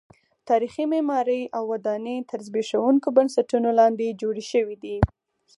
تاریخي معمارۍ او ودانۍ تر زبېښونکو بنسټونو لاندې جوړې شوې دي.